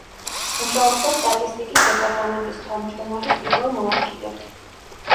მუშაობდა სტატისტიკის დეპარტამენტის თავმჯდომარის პირველი მოადგილედ.